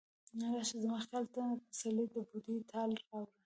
راشه زما خیال ته، پسرلی د بوډۍ ټال راوړه